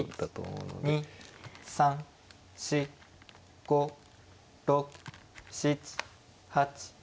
３４５６７８。